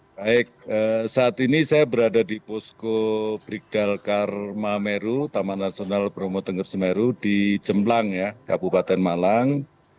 baik saat ini saya berada di posko brigdalkar mameru taman nasional bromo tenggar semeru di jemlang kabupaten malang